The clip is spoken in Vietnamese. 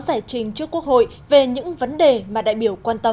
giải trình trước quốc hội về những vấn đề mà đại biểu quan tâm